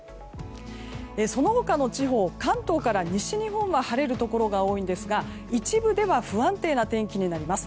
その他の地方関東から西日本は晴れるところが多いんですが一部では不安定な天気になります。